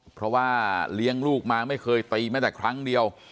เพราะว่าเลี้ยงลูกมาไม่เคยตีแม้แต่ครั้งเดียว